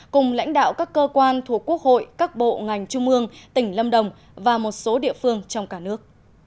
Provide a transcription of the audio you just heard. cùng lãnh đạo các cơ quan thuộc quốc hội các bộ ngành trung ương tỉnh lâm đồng và một số địa phương trong cả nước